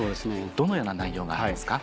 どのような内容がありますか？